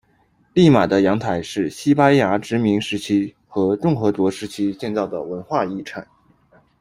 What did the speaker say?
利马的阳台是西班牙殖民时期和共和国时期建造的文化遗产。